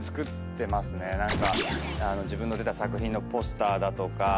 自分の出た作品のポスターだとか